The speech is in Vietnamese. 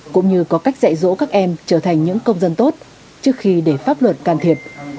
cũng như có cách dạy dỗ các em trở thành những công dân tốt trước khi để pháp luật can thiệp